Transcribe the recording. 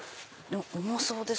重そうですよ。